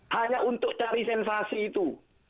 hanya untuk cari sensasi itu